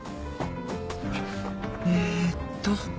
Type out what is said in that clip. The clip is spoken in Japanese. えーっと。